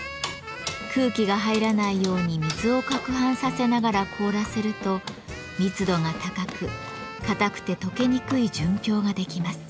空気が入らないように水を攪拌させながら凍らせると密度が高くかたくてとけにくい純氷ができます。